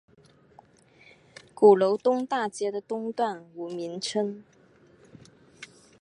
鼓楼东大街的东段无名称。